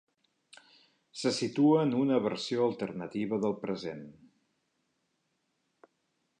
Se situa en una versió alternativa del present.